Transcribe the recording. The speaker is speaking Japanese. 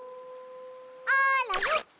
あらよっと！